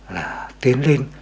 là tiến lên